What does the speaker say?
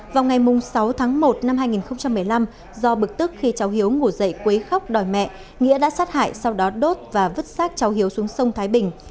vào ngày sáu tháng một năm hai nghìn một mươi năm do bực tức khi cháu hiếu ngủ dậy quấy khóc đòi mẹ nghĩa đã sát hại sau đó đốt và vứt sát cháu hiếu xuống sông thái bình